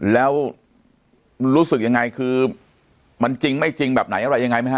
แล้วรู้สึกยังไงคือมันจริงไม่จริงแบบไหนอะไรยังไงไหมฮ